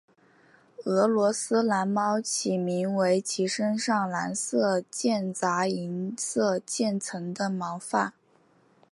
俄罗斯蓝猫起名为其身上蓝色间杂银色渐层的毛发。